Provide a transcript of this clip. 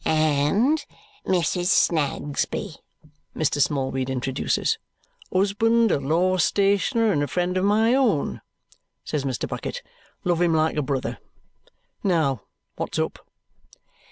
"And Mrs. Snagsby," Mr. Smallweed introduces. "Husband a law stationer and a friend of my own," says Mr. Bucket. "Love him like a brother! Now, what's up?"